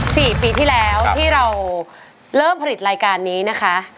สี่ปีที่แล้วที่เราเริ่มผลิตรายการนี้นะคะ